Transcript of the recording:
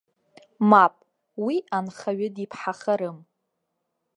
Мап, уи анхаҩы диԥҳахарым.